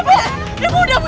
pergi pergi pergi